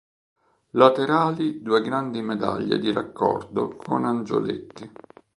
Laterali due grandi medaglie di raccordo con angioletti.